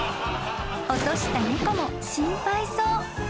［落とした猫も心配そう］